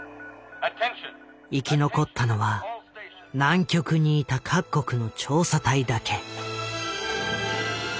生き残ったのは南極にいた各国の調査隊だけ。